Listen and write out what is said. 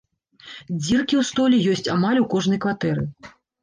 Дзіркі ў столі ёсць амаль у кожнай кватэры.